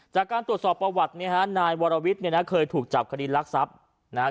จากการตรวจสอบประวัติเนี่ยฮะนายวรวิทย์เนี่ยนะเคยถูกจับคดีรักทรัพย์นะฮะ